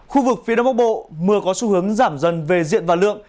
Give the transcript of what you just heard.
khu vực phía đông bắc bộ mưa có xu hướng giảm dần về diện và lượng